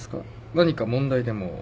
何か問題でも？